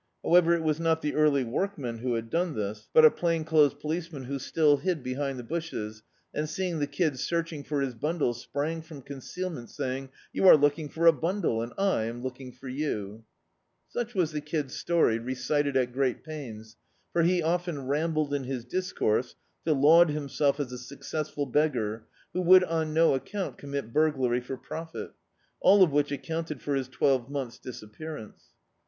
However it was not the early workman who had done this, but a Dictzed by Google The Autobiography of a Super Tramp plain clothes policeman who still hid behind the bushes and, seeing the Kid searching for his bundle, sprang from concealment, saying — "You are look ing for a bundle, and I am looking for you." Such was the Kid's story, recited at great pains, for he often rambled in his discourse to laud himself as a successful beggar who would, on no account, ccMnmit burglary for profit; all of which accounted for his twelve mcmths' disappearance.